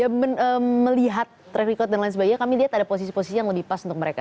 ya melihat track record dan lain sebagainya kami lihat ada posisi posisi yang lebih pas untuk mereka